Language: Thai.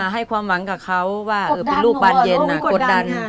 ให้ความหวังกับเขาว่าลูกบางเด็นผมไม่ไกดัน